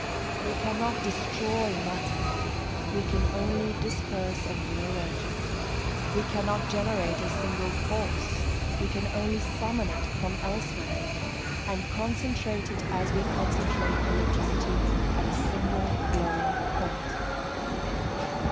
We cannot destroy matter, we can only disperse and rearrange it; we cannot generate a single force, we can only summon it from elsewhere, and concentrate it, as we concentrate electricity, at a single glowing point.